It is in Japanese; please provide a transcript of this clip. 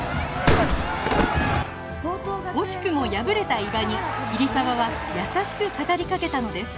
惜しくも敗れた伊庭に桐沢は優しく語りかけたのです